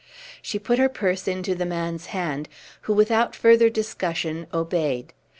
She put her purse into the man's hand, who without further discussion obeyed.